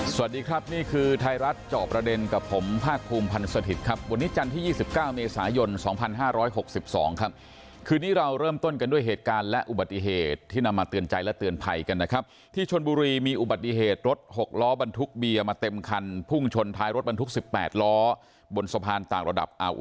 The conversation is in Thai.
สวัสดีครับนี่คือไทยรัฐจอบประเด็นกับผมภาคภูมิพันธ์สถิตย์ครับวันนี้จันทร์ที่๒๙เมษายน๒๕๖๒ครับคืนนี้เราเริ่มต้นกันด้วยเหตุการณ์และอุบัติเหตุที่นำมาเตือนใจและเตือนภัยกันนะครับที่ชนบุรีมีอุบัติเหตุรถหกล้อบรรทุกเบียร์มาเต็มคันพุ่งชนท้ายรถบรรทุก๑๘ล้อบนสะพานต่างระดับ